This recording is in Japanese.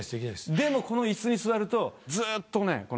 でもこの椅子に座るとずっとねこの。